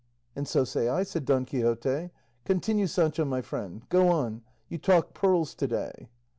"And so say I," said Don Quixote; "continue, Sancho my friend; go on; you talk pearls to day."